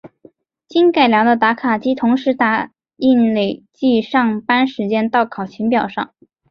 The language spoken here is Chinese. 经改良的打卡机同时打印累计上班时间到考勤表上。